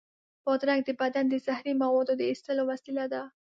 بادرنګ د بدن د زهري موادو د ایستلو وسیله ده.